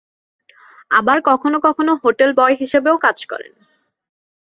আবার কখনো কখনো হোটেল বয় হিসেবেও কাজ করেন।